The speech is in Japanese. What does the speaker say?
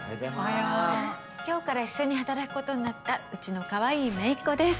今日から一緒に働くことになったうちのかわいいめいっ子です。